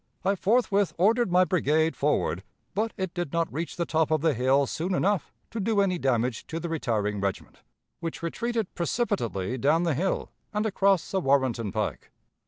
I forthwith ordered my brigade forward, but it did not reach the top of the hill soon enough to do any damage to the retiring regiment, which retreated precipitately down the hill and across the Warrenton Pike.